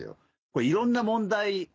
これいろんな問題